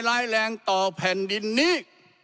ร้ายแรงต่อแผ่นดินนี้